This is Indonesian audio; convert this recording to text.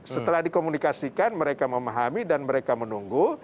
setelah dikomunikasikan mereka memahami dan mereka menunggu